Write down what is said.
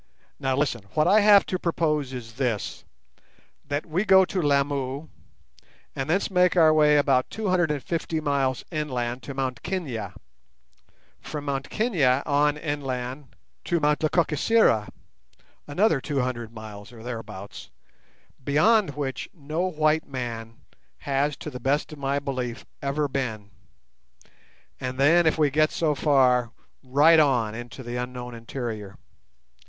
Now listen. What I have to propose is this. That we go to Lamu and thence make our way about 250 miles inland to Mt Kenia; from Mt Kenia on inland to Mt Lekakisera, another 200 miles, or thereabouts, beyond which no white man has to the best of my belief ever been; and then, if we get so far, right on into the unknown interior.